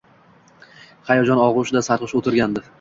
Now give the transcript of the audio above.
Hayajon og‘ushida sarxush o‘tirgandi.